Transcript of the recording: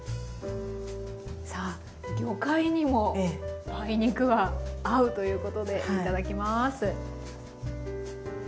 さあ魚介にも梅肉が合うということでいただきます。